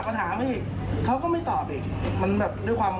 ไปถามอีกเขาก็ไม่ตอบมันแบบด้วยความโอโห